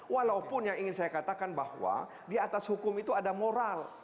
walaupun yang ingin saya katakan bahwa di atas hukum itu ada moral